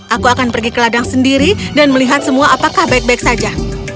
aku akan pergi ke ladang sendiri dan melihat semua apakah baik baik saja